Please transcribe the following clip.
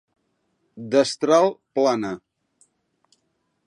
Destral plana.